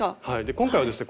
今回はですね